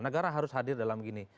negara harus hadir dalam gini